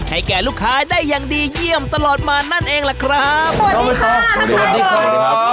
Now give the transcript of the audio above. ให้แก่ลูกค้าได้อย่างดีเยี่ยมตลอดมานั่นเองล่ะครับสวัสดีค่ะทุกคน